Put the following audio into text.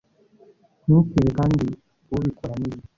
ntukibe kandi ubikora nibibi